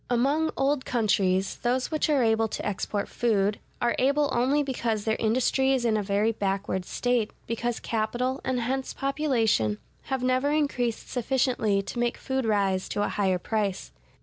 Among old countries, those which are able to export food, are able only because their industry is in a very backward state, because capital, and hence population, have never increased sufficiently to make food rise to a higher price.